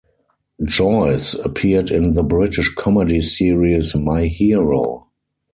Joyce appeared in the British comedy series My Hero.